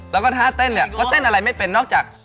แล้วถ้าเค้าเนอะก็เต้นอะไรไม่เป็นนอกจาก